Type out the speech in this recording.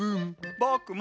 ぼくも。